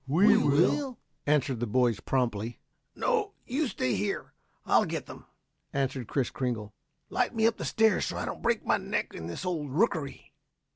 "We will," answered the boys promptly. "No; you stay here. I'll get them," answered Kris Kringle. "Light me up the stairs so I don't break my neck in this old rookery."